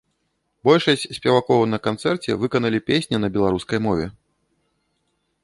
Большасць спевакоў на канцэрце выканалі песні на беларускай мове.